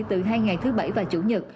từ hai ngày thứ bảy và chủ nhật